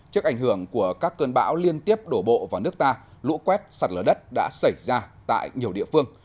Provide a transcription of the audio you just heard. trước ảnh hưởng của các cơn bão liên tiếp đổ bộ vào nước ta lũ quét sạt lở đất đã xảy ra tại nhiều địa phương